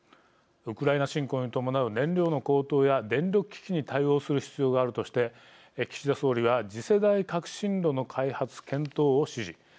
ウクライナ侵攻に伴う燃料の高騰や電力危機に対応する必要があるとして岸田総理は次世代革新炉の開発検討を指示。